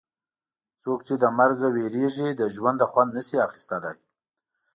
څوک چې له مرګ وېرېږي له ژونده خوند نه شي اخیستلای.